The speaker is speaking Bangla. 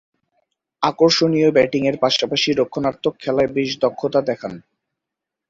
আকর্ষণীয় ব্যাটিংয়ের পাশাপাশি রক্ষণাত্মক খেলায়ও বেশ দক্ষতা দেখান।